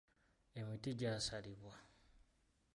Emiti gy'asalibwa.